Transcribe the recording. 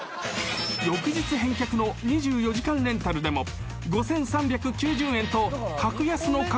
［翌日返却の２４時間レンタルでも５，３９０円と格安の価格設定］